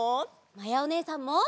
まやおねえさんも。